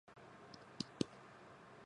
ミギー